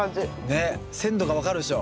ねっ鮮度が分かるでしょ。